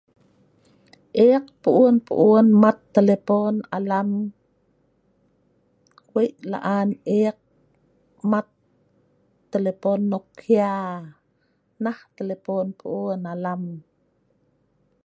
Eek pu un pu un mat telepon alam.eek mat telepon nokia